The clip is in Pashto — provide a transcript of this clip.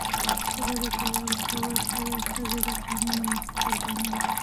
په بدو کي ورکول سوي ښځي د قانون له مخي قرباني دي.